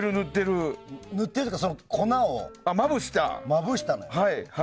塗ってるというか粉をまぶしたの。